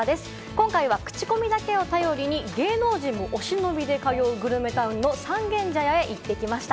今回はクチコミだけを頼りに、芸能人も、お忍びで通うグルメタウンの三軒茶屋へ行ってきました。